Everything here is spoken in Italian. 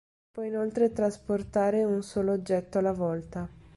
Si può inoltre trasportare un solo oggetto alla volta.